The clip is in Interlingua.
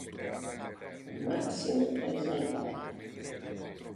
Maximo es al bar.